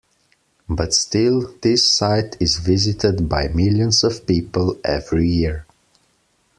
But still this site is visited by millions of people every year.